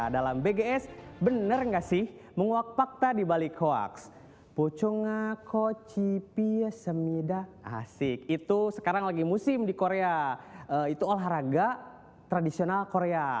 dalam bgs bener gak sih menguak fakta di balik hoax